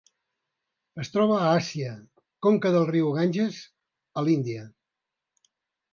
Es troba a Àsia: conca del riu Ganges a l'Índia.